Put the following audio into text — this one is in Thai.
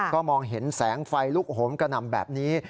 ก็มองเห็นแสงไฟลุกโหมกระหน่ำแบบนี้